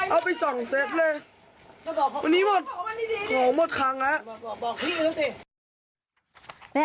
เอาไปสองเซ็ตเลยทั้งหมดครั้งแล้ว